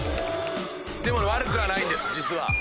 でも悪くはないです実は。